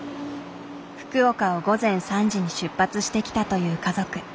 福岡を午前３時に出発してきたという家族。